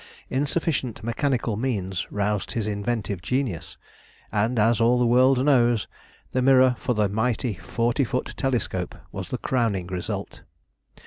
Insufficient mechanical means roused his inventive genius; and, as all the world knows, the mirror for the mighty forty foot telescope was the crowning result.